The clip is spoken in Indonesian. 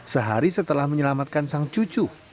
sehari setelah menyelamatkan sang cucu